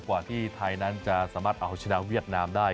กว่าที่ไทยนั้นจะสามารถเอาชนะเวียดนามได้